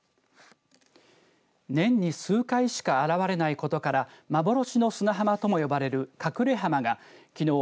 年に数回しか現れないことから幻の砂浜とも呼ばれるかくれ浜がきのう